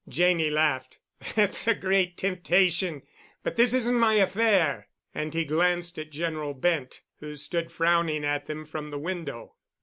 Janney laughed. "That's a great temptation—but this isn't my affair," and he glanced at General Bent, who stood frowning at them from the window.